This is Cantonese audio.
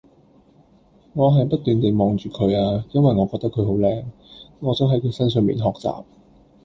我係不斷地望住佢啊因為我覺得佢好靚，我想喺佢身上面學習